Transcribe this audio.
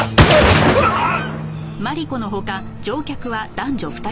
うわっ！